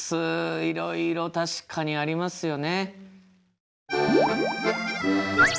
いろいろ確かにありますよね。